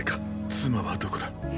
妻はどこだ。